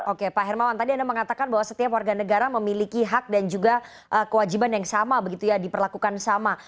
oke pak hermawan tadi anda mengatakan bahwa setiap warga negara memiliki hak dan juga kewajiban yang sama begitu ya diperlakukan sama